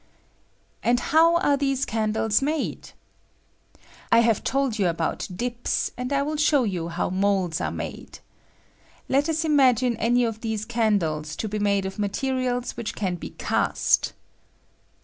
And how are these candles made? I have ■told you about dips, and I will show you how moulds are made. Let us imagine any of these cajidlea to be made of materials which can be cast.